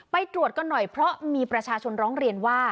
ไปตรวจกันหน่อยเพราะมีประชาชนร้องเรียนว่า